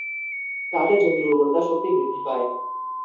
তাতে জমির উর্বরতা শক্তি বৃদ্ধি পায়।